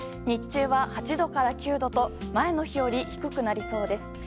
日中は８度から９度と前の日より低くなりそうです。